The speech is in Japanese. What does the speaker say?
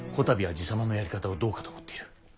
たびは爺様のやり方をどうかと思っている。